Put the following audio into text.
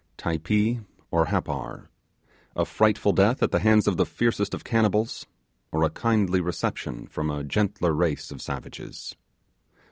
Typee or Happar? A frightful death at the hands of the fiercest of cannibals, or a kindly reception from a gentler race of savages?